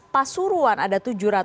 pasuruan ada tujuh ratus delapan